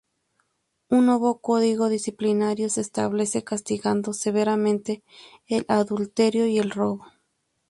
Un nuevo código disciplinario se establece castigando severamente el adulterio y el robo.